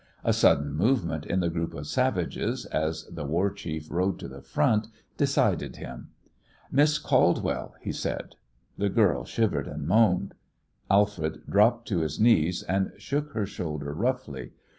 A sudden movement in the group of savages, as the war chief rode to the front, decided him. "Miss Caldwell," he said. The girl shivered and moaned. Alfred dropped to his knees and shook her shoulder roughly.